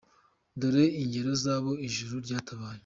Dore ingero z’abo ijuru ryatabaye :.